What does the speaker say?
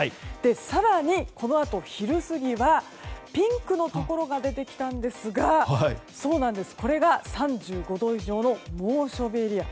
更にこのあと昼過ぎはピンクのところが出てきたんですがこれが３５度以上の猛暑日エリア。